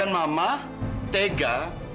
dan mama tega